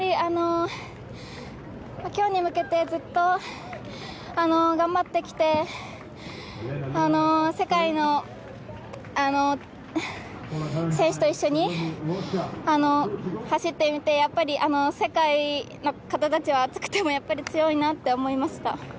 今日に向けて、ずっと頑張ってきて、世界の選手と一緒に走ってみて、やっぱり、世界の方たちは暑くてもやっぱり強いなと思いました。